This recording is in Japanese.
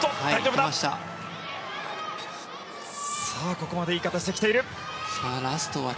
ここまでいい形で来ている。